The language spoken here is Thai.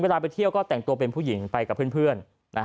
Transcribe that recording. ไปเที่ยวก็แต่งตัวเป็นผู้หญิงไปกับเพื่อน